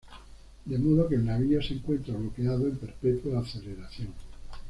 De modo que el navío se encuentra bloqueado en perpetua aceleración.